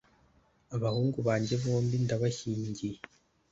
abahungu banjye bombi ndabashyingiye